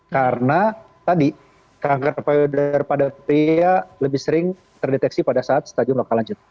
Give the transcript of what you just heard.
karena tadi kanker payudara pada pria lebih sering terdeteksi pada saat stadium lanjut